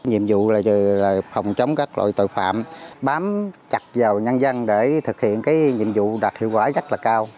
nhiệm vụ là phòng chống các loại tội phạm bám chặt vào nhân dân để thực hiện cái nhiệm vụ đạt hiệu quả rất là cao